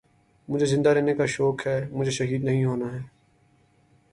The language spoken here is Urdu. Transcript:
مجھے زندہ رہنے کا شوق ہے مجھے شہید نہیں ہونا ہے